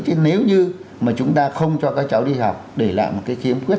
chứ nếu như mà chúng ta không cho các cháu đi học để lại một cái khiếm khuyết